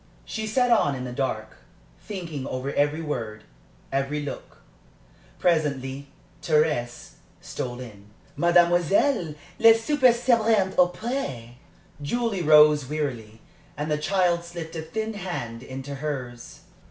She sat on in the dark, thinking over every word, every look. Presently Thérèse stole in. "Mademoiselle, le souper sera bientôt prêt." Julie rose wearily, and the child slipped a thin hand into hers.